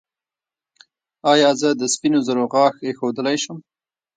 ایا زه د سپینو زرو غاښ ایښودلی شم؟